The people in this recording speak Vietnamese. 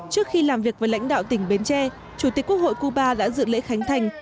trước khi làm việc với lãnh đạo tỉnh bến tre chủ tịch quốc hội cuba đã dự lễ khánh thành